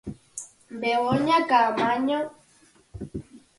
Begoña Caamaño.